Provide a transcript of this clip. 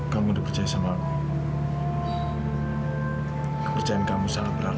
kamu lebih suka yang mana